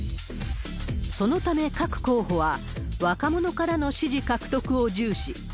そのため、各候補は、若者からの支持獲得を重視。